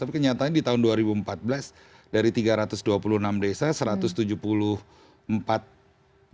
tapi kenyataan di tahun dua ribu empat belas dari tiga ratus dua puluh enam desa satu ratus tujuh puluh empat desanya masuk ke banten